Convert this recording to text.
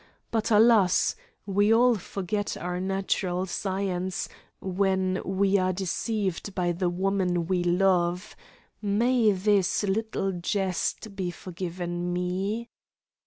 But, alas! we all forget our natural science when we are deceived by the woman we love may this little jest be forgiven me!